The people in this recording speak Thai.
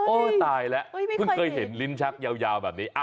ตายแล้วเพิ่งเคยเห็นลิ้นชักยาวแบบนี้